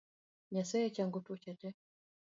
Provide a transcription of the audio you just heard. Nyasye chango tuoche te.